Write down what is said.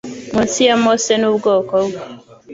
Munsi ya Mose n’ubwoko bwe